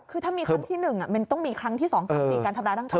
คือถ้ามีครั้งที่หนึ่งมันต้องมีครั้งที่สองสามสี่การทำร้ายร่างกาย